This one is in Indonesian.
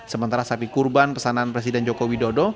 sementara sapi kurban pesanan presiden jokowi dodo